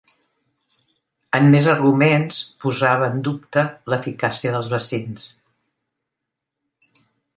En més arguments, posava en dubte l’eficàcia dels vaccins.